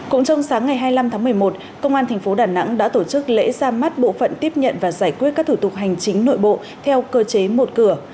cũng trong sáng ngày hai mươi năm tháng một mươi một công an thành phố đà nẵng đã tổ chức lễ ra mắt bộ phận tiếp nhận và giải quyết các thủ tục hành chính nội bộ theo cơ chế một cửa